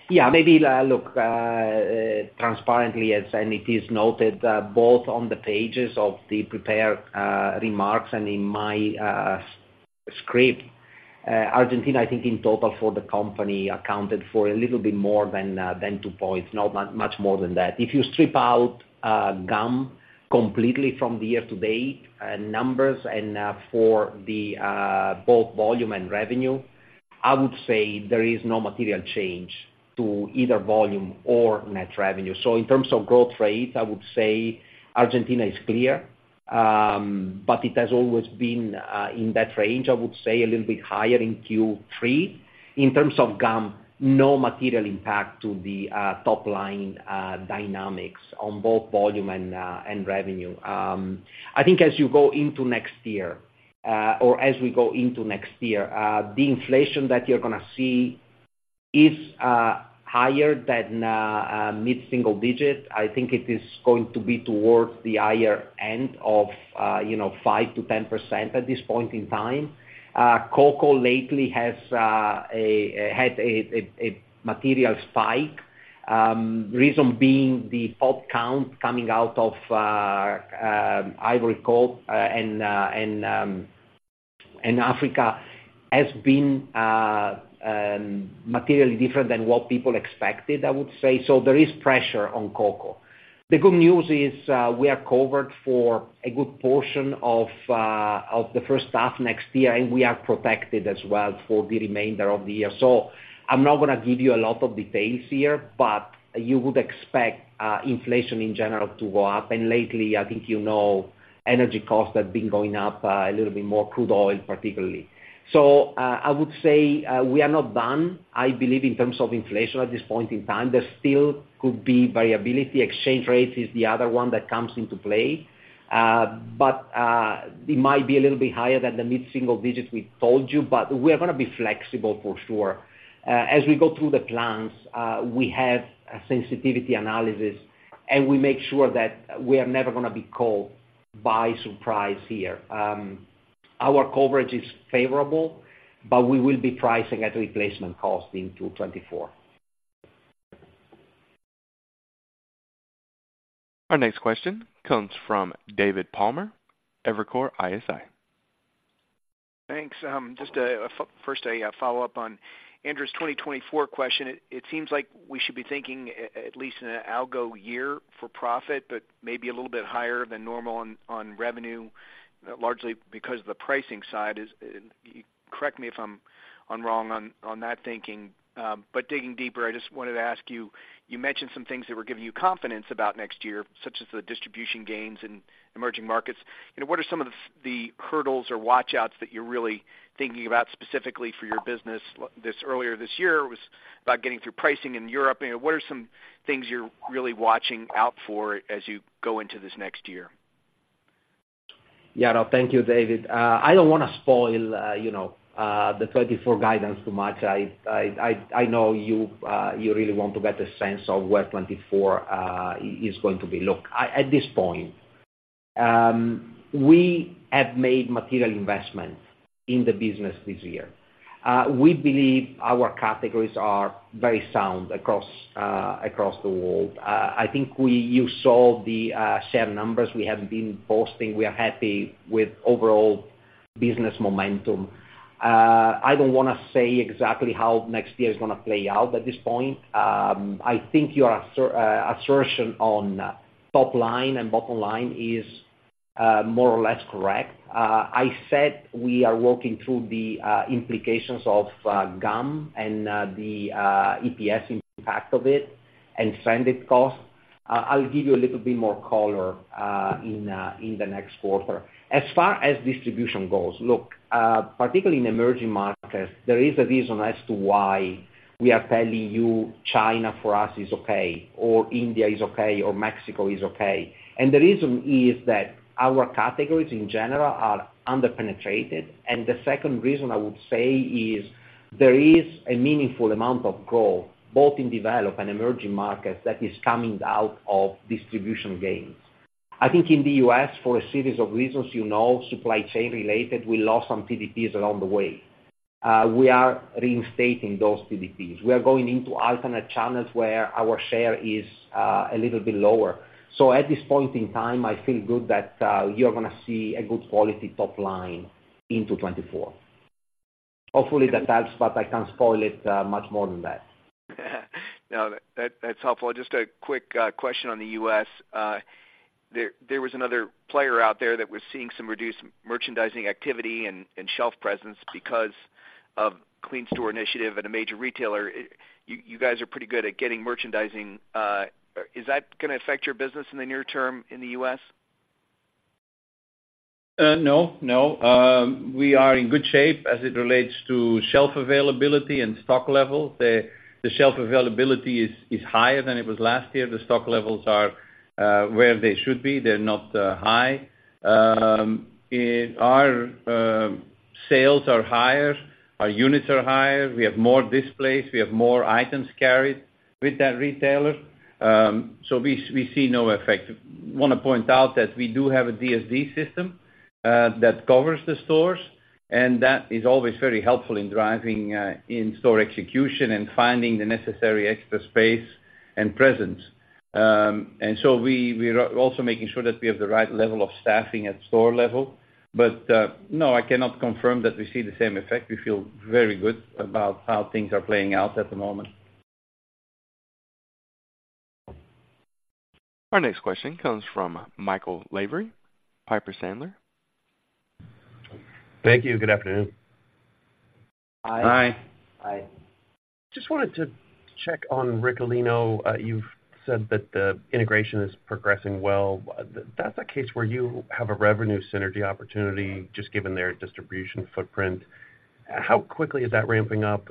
Yeah, maybe, look, transparently, as and it is noted, both on the pages of the prepared remarks and in my script, Argentina, I think in total for the company, accounted for a little bit more than two points, not much more than that. If you strip out gum completely from the year to date numbers and for the both volume and revenue, I would say there is no material change to either volume or net revenue. So in terms of growth rate, I would say Argentina is clear, but it has always been in that range, I would say a little bit higher in Q3. In terms of gum, no material impact to the top line dynamics on both volume and revenue. I think as you go into next year, or as we go into next year, the inflation that you're gonna see is higher than mid-single digit. I think it is going to be towards the higher end of, you know, 5%-10% at this point in time. Cocoa lately has had a material spike, reason being the pop count coming out of Ivory Coast and Africa has been materially different than what people expected, I would say. So there is pressure on cocoa. The good news is, we are covered for a good portion of the first half next year, and we are protected as well for the remainder of the year. So I'm not gonna give you a lot of details here, but you would expect inflation in general to go up. And lately, I think you know, energy costs have been going up a little bit more, crude oil, particularly. So I would say we are not done. I believe in terms of inflation at this point in time, there still could be variability. Exchange rate is the other one that comes into play. But it might be a little bit higher than the mid-single digits we told you, but we are gonna be flexible for sure. As we go through the plans, we have a sensitivity analysis, and we make sure that we are never gonna be caught by surprise here. Our coverage is favorable, but we will be pricing at replacement cost into 2024. Our next question comes from David Palmer, Evercore ISI. Thanks. Just a first, a follow-up on Andrew's 2024 question. It seems like we should be thinking at least in an algo year for profit, but maybe a little bit higher than normal on revenue, largely because of the pricing side. Correct me if I'm wrong on that thinking. But digging deeper, I just wanted to ask you, you mentioned some things that were giving you confidence about next year, such as the distribution gains in emerging markets. You know, what are some of the hurdles or watch outs that you're really thinking about specifically for your business? Earlier this year, it was about getting through pricing in Europe. You know, what are some things you're really watching out for as you go into this next year? Yeah. Thank you, David. I don't wanna spoil, you know, the 2024 guidance too much. I know you really want to get a sense of where 2024 is going to be. Look, at this point, we have made material investments in the business this year. We believe our categories are very sound across the world. I think you saw the share numbers we have been posting. We are happy with overall business momentum. I don't wanna say exactly how next year is gonna play out at this point. I think your assertion on top line and bottom line is more or less correct. I said we are working through the implications of gum and the EPS impact of it and funded costs. I'll give you a little bit more color in the next quarter. As far as distribution goes, look, particularly in emerging markets, there is a reason as to why we are telling you China, for us, is okay, or India is okay, or Mexico is okay. The reason is that our categories in general are underpenetrated. The second reason I would say is there is a meaningful amount of growth, both in developed and emerging markets, that is coming out of distribution gains. I think in the U.S., for a series of reasons, you know, supply chain related, we lost some TDPs along the way. We are reinstating those TDPs. We are going into alternate channels where our share is a little bit lower. So at this point in time, I feel good that you're gonna see a good quality top line into 2024. Hopefully, that helps, but I can't spoil it much more than that. No, that's helpful. Just a quick question on the U.S. There was another player out there that was seeing some reduced merchandising activity and shelf presence because of clean store initiative and a major retailer. You guys are pretty good at getting merchandising. Is that gonna affect your business in the near term in the U.S.?... No, no. We are in good shape as it relates to shelf availability and stock level. The shelf availability is higher than it was last year. The stock levels are where they should be, they're not high. Our sales are higher, our units are higher, we have more displays, we have more items carried with that retailer. So we see no effect. Want to point out that we do have a DSD system that covers the stores, and that is always very helpful in driving in-store execution and finding the necessary extra space and presence. And so we are also making sure that we have the right level of staffing at store level. But no, I cannot confirm that we see the same effect. We feel very good about how things are playing out at the moment. Our next question comes from Michael Lavery, Piper Sandler. Thank you. Good afternoon. Hi. Hi. Hi. Just wanted to check on Ricolino. You've said that the integration is progressing well. That's a case where you have a revenue synergy opportunity, just given their distribution footprint. How quickly is that ramping up?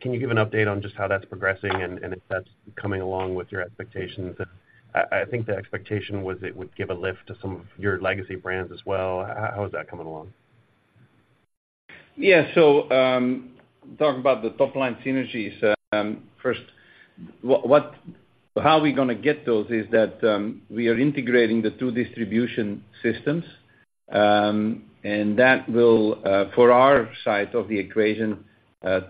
Can you give an update on just how that's progressing and if that's coming along with your expectations? I think the expectation was it would give a lift to some of your legacy brands as well. How is that coming along? Yeah. So, talk about the top line synergies. First, how we gonna get those is that, we are integrating the two distribution systems, and that will, for our side of the equation,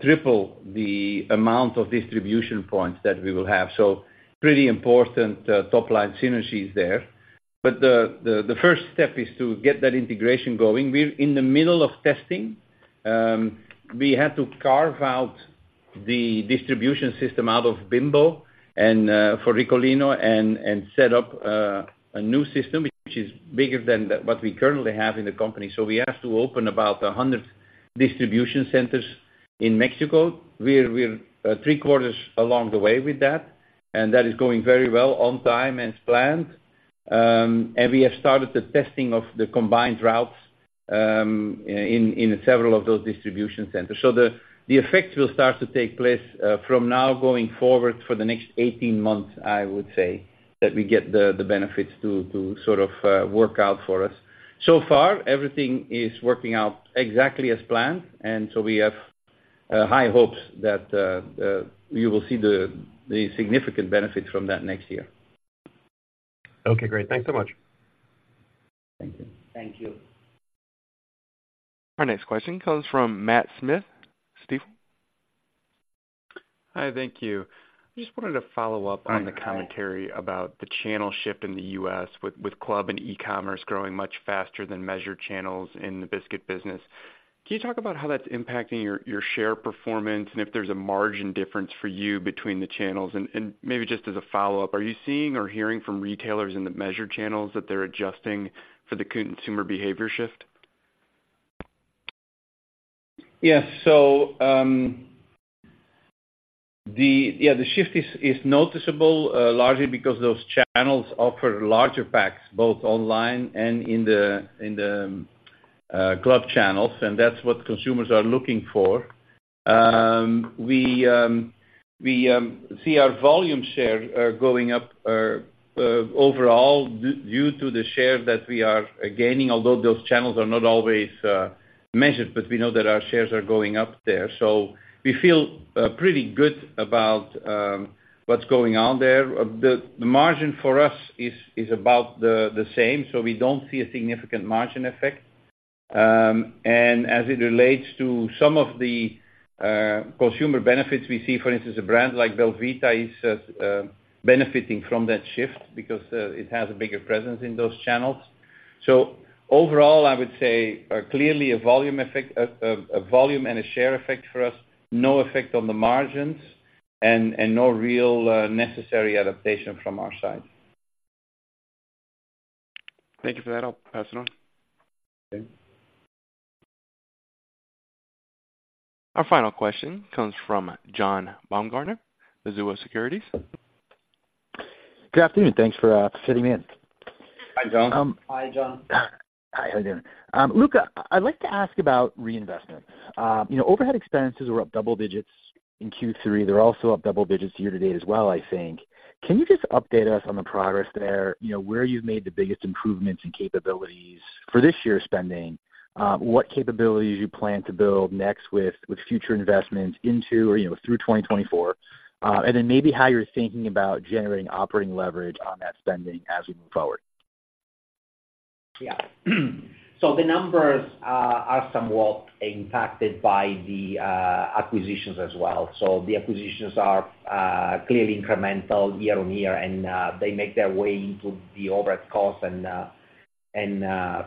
triple the amount of distribution points that we will have. So pretty important, top line synergies there. But the first step is to get that integration going. We're in the middle of testing. We had to carve out the distribution system out of Bimbo and, for Ricolino and set up, a new system, which is bigger than the, what we currently have in the company. So we had to open about 100 distribution centers in Mexico. We're three quarters along the way with that, and that is going very well, on time and as planned. And we have started the testing of the combined routes in several of those distribution centers. So the effect will start to take place from now going forward for the next 18 months, I would say, that we get the benefits to sort of work out for us. So far, everything is working out exactly as planned, and so we have high hopes that you will see the significant benefits from that next year. Okay, great. Thanks so much. Thank you. Thank you. Our next question comes from Matt Smith, Stifel. Hi, thank you. Just wanted to follow up on the commentary about the channel shift in the U.S. with club and e-commerce growing much faster than measured channels in the biscuit business. Can you talk about how that's impacting your share performance, and if there's a margin difference for you between the channels? And maybe just as a follow-up, are you seeing or hearing from retailers in the measured channels that they're adjusting for the consumer behavior shift? Yes. So, yeah, the shift is noticeable, largely because those channels offer larger packs, both online and in the club channels, and that's what consumers are looking for. We see our volume share going up overall, due to the share that we are gaining, although those channels are not always measured, but we know that our shares are going up there. So we feel pretty good about what's going on there. The margin for us is about the same, so we don't see a significant margin effect. And as it relates to some of the consumer benefits, we see, for instance, a brand like belVita is benefiting from that shift because it has a bigger presence in those channels. So overall, I would say, clearly a volume effect, a volume and a share effect for us, no effect on the margins and, and no real, necessary adaptation from our side. Thank you for that. I'll pass it on. Okay. Our final question comes from John Baumgartner, Mizuho Securities. Good afternoon. Thanks for fitting me in. Hi, John. Hi, John. Hi, how you doing? Luca, I'd like to ask about reinvestment. You know, overhead expenses were up double digits in Q3. They're also up double digits year to date as well, I think. Can you just update us on the progress there, you know, where you've made the biggest improvements and capabilities for this year's spending, what capabilities you plan to build next with, with future investments into or, you know, through 2024? And then maybe how you're thinking about generating operating leverage on that spending as we move forward. Yeah. So the numbers are somewhat impacted by the acquisitions as well. So the acquisitions are clearly incremental year on year, and they make their way into the overhead costs and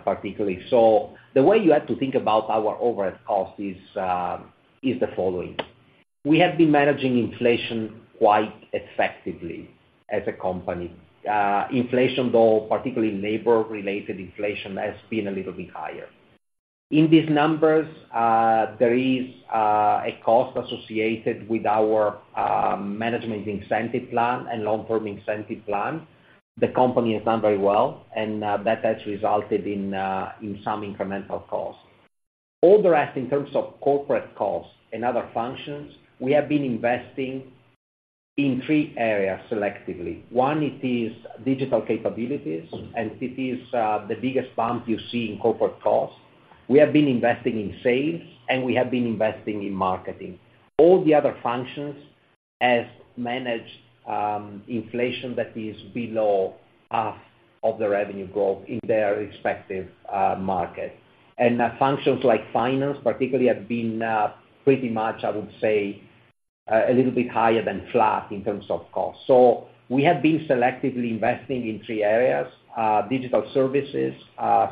particularly. So the way you have to think about our overhead costs is the following: We have been managing inflation quite effectively as a company. Inflation, though, particularly labor-related inflation, has been a little bit higher. In these numbers, there is a cost associated with our management incentive plan and long-term incentive plan. The company has done very well, and that has resulted in some incremental costs. All the rest, in terms of corporate costs and other functions, we have been investing in three areas selectively. One, it is digital capabilities, and it is the biggest bump you see in corporate costs. We have been investing in sales, and we have been investing in marketing. All the other functions have managed inflation that is below half of the revenue growth in their respective market. Functions like finance, particularly, have been pretty much, I would say, a little bit higher than flat in terms of cost. We have been selectively investing in three areas: digital services,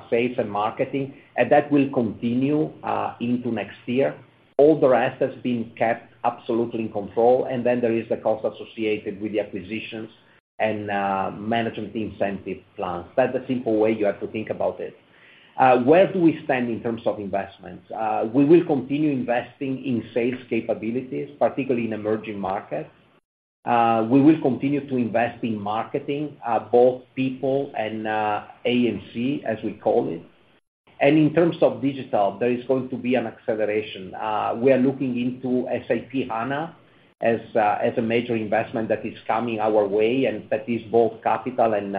sales, and marketing, and that will continue into next year. All the rest has been kept absolutely in control, and then there is the cost associated with the acquisitions and management incentive plans. That's the simple way you have to think about it. Where do we spend in terms of investments? We will continue investing in sales capabilities, particularly in emerging markets. We will continue to invest in marketing, both people and, AMC, as we call it. In terms of digital, there is going to be an acceleration. We are looking into SAP HANA as, as a major investment that is coming our way, and that is both capital and,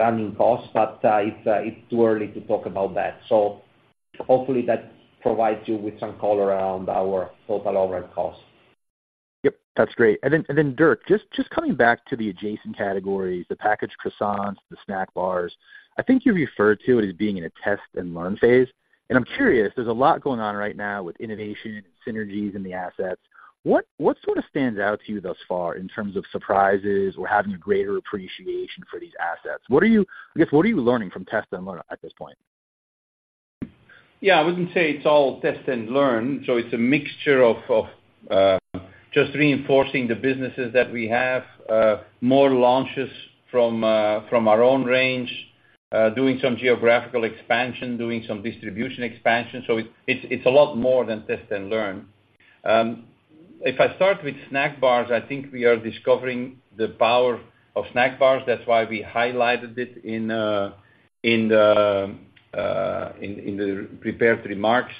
running costs, but, it's, it's too early to talk about that. Hopefully that provides you with some color around our total overall costs. Yep, that's great. And then, Dirk, just coming back to the adjacent categories, the packaged croissants, the snack bars. I think you referred to it as being in a test and learn phase. And I'm curious, there's a lot going on right now with innovation and synergies in the assets. What sort of stands out to you thus far in terms of surprises or having a greater appreciation for these assets? What are you—I guess, what are you learning from test and learn at this point? Yeah, I wouldn't say it's all test and learn. So it's a mixture of just reinforcing the businesses that we have, more launches from our own range, doing some geographical expansion, doing some distribution expansion. So it's a lot more than test and learn. If I start with snack bars, I think we are discovering the power of snack bars. That's why we highlighted it in the prepared remarks.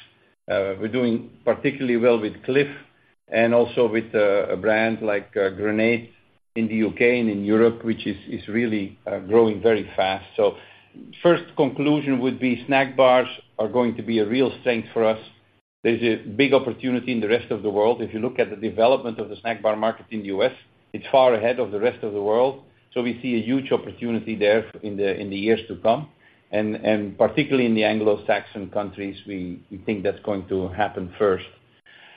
We're doing particularly well with Clif and also with a brand like Grenade in the U.K. and in Europe, which is really growing very fast. So first conclusion would be snack bars are going to be a real strength for us. There's a big opportunity in the rest of the world. If you look at the development of the snack bar market in the U.S., it's far ahead of the rest of the world, so we see a huge opportunity there in the years to come. Particularly in the Anglo-Saxon countries, we think that's going to happen first.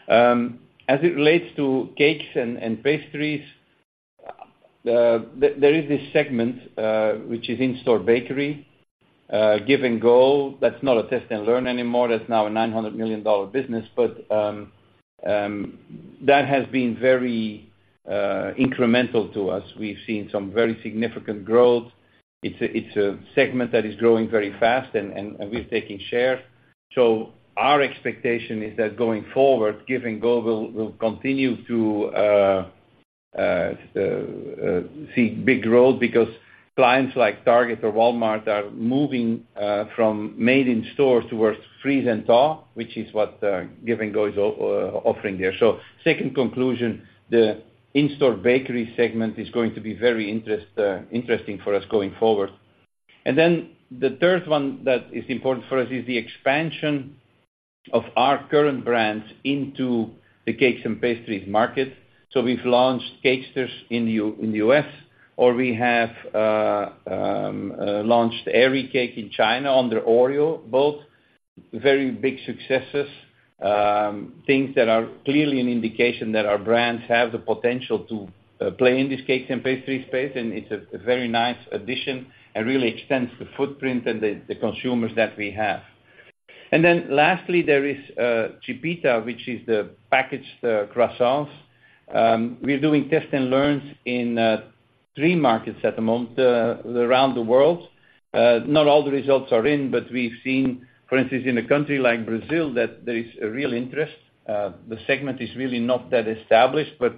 As it relates to cakes and pastries, there is this segment which is in-store bakery, Give and Go. That's not a test and learn anymore, that's now a $900 million business. But that has been very incremental to us. We've seen some very significant growth. It's a segment that is growing very fast, and we're taking share. So our expectation is that going forward, Give and Go will continue to see big growth because clients like target or Walmart are moving from made in-store towards freeze and thaw, which is what Give and Go is offering there. So second conclusion, the in-store bakery segment is going to be very interesting for us going forward. And then the third one that is important for us is the expansion of our current brands into the cakes and pastries market. So we've launched Cakesters in the U.S., or we have launched Airy Cake in China under Oreo, both very big successes, things that are clearly an indication that our brands have the potential to play in this cakes and pastries space, and it's a very nice addition and really extends the footprint and the consumers that we have. And then lastly, there is Chipita, which is the packaged croissants. We're doing test and learns in three markets at the moment around the world. Not all the results are in, but we've seen, for instance, in a country like Brazil, that there is a real interest. The segment is really not that established, but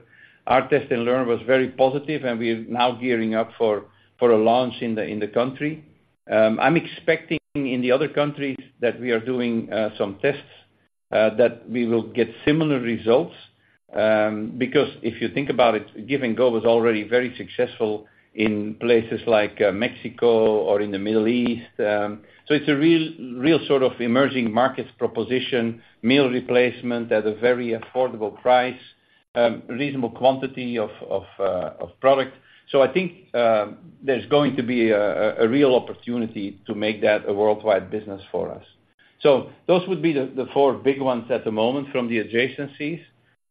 our test and learn was very positive, and we are now gearing up for a launch in the country. I'm expecting in the other countries that we are doing some tests that we will get similar results, because if you think about it, Give and Go was already very successful in places like Mexico or in the Middle East. So it's a real sort of emerging markets proposition, meal replacement at a very affordable price, reasonable quantity of product. So I think there's going to be a real opportunity to make that a worldwide business for us. So those would be the four big ones at the moment from the adjacencies.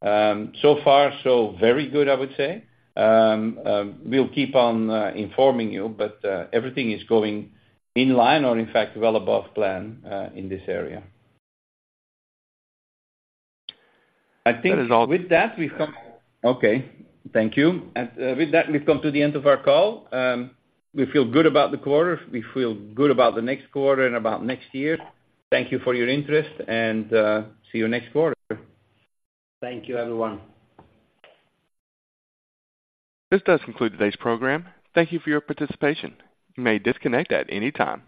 So far, so very good, I would say. We'll keep on informing you, but everything is going in line or in fact, well above plan, in this area. I think- That is all- Okay, thank you. With that, we've come to the end of our call. We feel good about the quarter. We feel good about the next quarter and about next year. Thank you for your interest, and see you next quarter. Thank you, everyone. This does conclude today's program. Thank you for your participation. You may disconnect at any time.